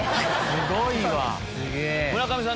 すごいわ。